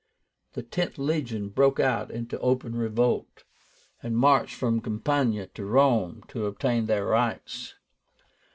The Tenth Legion broke out into open revolt, and marched from Campania to Rome to obtain their rights.